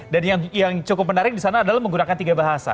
dan yang cukup menarik di sana adalah menggunakan tiga bahasa